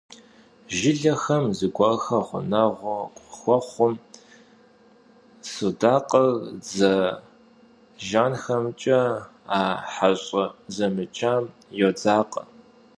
Jjılexem zıguerxer ğuneğu khıxuexhum, sudakhır dze jjanxemç'e a heş'e zemıcam yodzakhe.